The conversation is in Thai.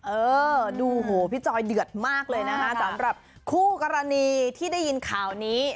เออดูโหพี่จอยเดือดมากเลยนะคะสำหรับคู่กรณีที่ได้ยินข่าวนี้